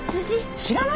知らないの？